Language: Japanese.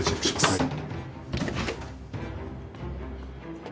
はい。